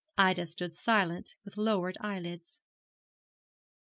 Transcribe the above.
Ida stood silent, with lowered eyelids.